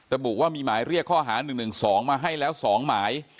ระบุว่ามีหมายเรียกข้อหา๑๑๒มาให้แล้ว๒หมาย